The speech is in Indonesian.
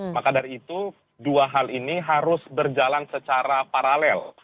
maka dari itu dua hal ini harus berjalan secara paralel